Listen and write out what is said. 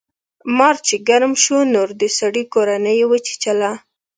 مار چې ګرم شو نو د سړي کورنۍ یې وچیچله.